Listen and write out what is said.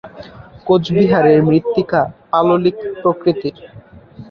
কোচবিহারের মৃত্তিকা পাললিক প্রকৃতির।